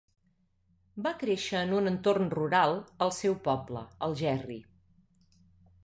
Va créixer en un entorn rural, al seu poble, Algerri.